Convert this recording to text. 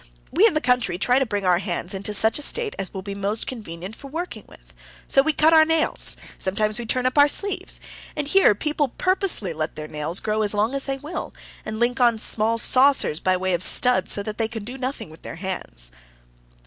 We in the country try to bring our hands into such a state as will be most convenient for working with. So we cut our nails; sometimes we turn up our sleeves. And here people purposely let their nails grow as long as they will, and link on small saucers by way of studs, so that they can do nothing with their hands."